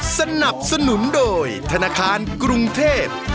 สนับสนุนโดยธนาคารกรุงเทพ